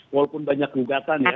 walaupun banyak gugatan ya